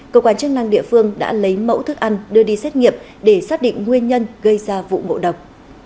cơ quan chức năng địa phương đã lấy mẫu thức ăn đưa đi xét nghiệm để xác định nguyên nhân gây ra vụ ngộ độc